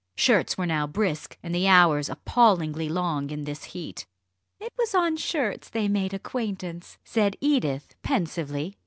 Shirts were now brisk, and the hours appallingly long in this heat. "It was on shirts they made acquaintance," said Edith pensively.